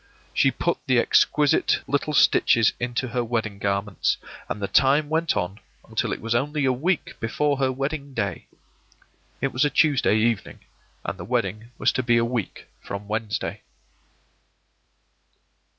She put the exquisite little stitches into her wedding garments, and the time went on until it was only a week before her wedding day. It was a Tuesday evening, and the wedding was to be a week from Wednesday.